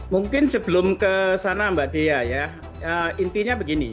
mungkin sebelum ke sana mbak dian intinya begini